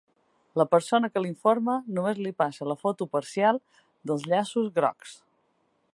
La persona que l’informa només li passa la foto parcial dels llaços grocs.